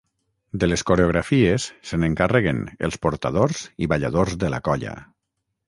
De les coreografies, se n'encarreguen els portadors i balladors de la colla.